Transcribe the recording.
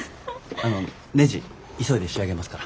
あのねじ急いで仕上げますから。